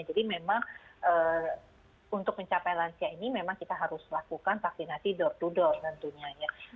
jadi memang untuk mencapai lansia ini memang kita harus lakukan vaksinasi door to door tentunya ya